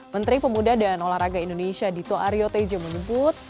menteri pemuda dan olahraga indonesia dito aryo tejo menyebut